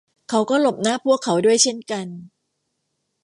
เขาก็หลบหน้าพวกเขาด้วยเช่นกัน